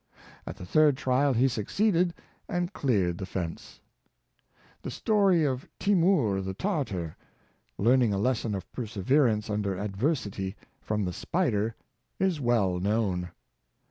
At the third trial he succeeded, and cleared the fence. 228 Audubon, The story of Timour the Tartar learning a lesson of perseverence under adversity from the spider is well known.